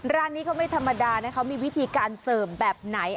ร้านนี้เขาไม่ธรรมดานะเขามีวิธีการเสิร์ฟแบบไหน